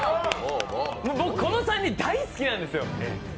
僕、この３人、大好きなんですよ。